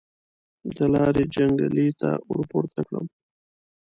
د لارۍ جنګلې ته ورپورته کړم.